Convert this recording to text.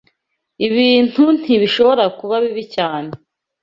Ibintu ntibishobora kuba bibi cyane.